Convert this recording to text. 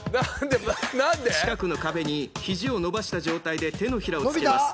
近くの壁に肘を伸ばした状態で手のひらをつきます。